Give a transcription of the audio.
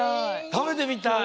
たべてみたい。